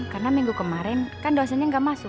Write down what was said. karena minggu kemarin kan dosennya gak masuk